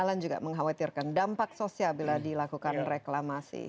jalan juga mengkhawatirkan dampak sosial bila dilakukan reklamasi